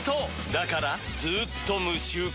だからずーっと無臭化！